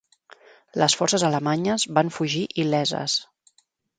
Les forces alemanyes van fugir il·leses.